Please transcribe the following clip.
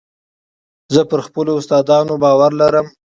زه پر خپلو استادانو باور لرم.